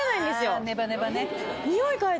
ネバネバね。